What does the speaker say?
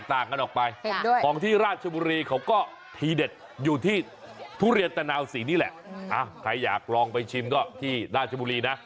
อ้าใครอยากลองไปชิมก็ที่ราชบุรีนะ